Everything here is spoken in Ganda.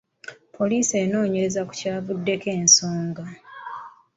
Poliisi enoonyereza ku kyavuddeko ensonga.